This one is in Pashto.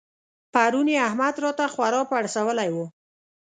پرون يې احمد راته خورا پړسولی وو.